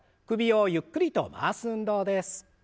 首をゆっくりと回す運動です。